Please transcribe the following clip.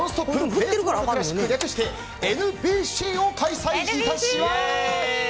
ベースボール・クラシック略してＮＢＣを開催いたします！